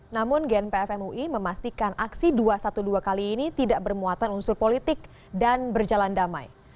namun gnpf mui memastikan aksi dua ratus dua belas kali ini tidak bermuatan unsur politik dan berjalan damai